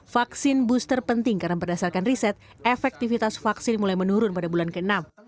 vaksin booster penting karena berdasarkan riset efektivitas vaksin mulai menurun pada bulan ke enam